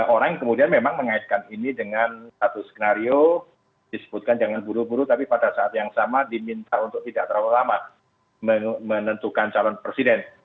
orang yang kemudian memang mengaitkan ini dengan satu skenario disebutkan jangan buru buru tapi pada saat yang sama diminta untuk tidak terlalu lama menentukan calon presiden